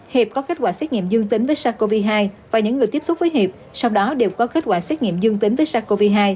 hiệp có kết quả xét nghiệm dương tính với sars cov hai và những người tiếp xúc với hiệp sau đó đều có kết quả xét nghiệm dương tính với sars cov hai